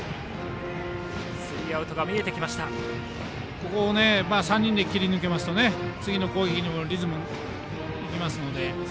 ここを３人で切り抜けますと次の攻撃にもリズムが生きますので。